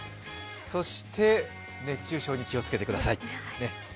そして熱中症に気をつけてください。